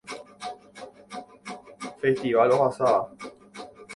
Festival ohasáva.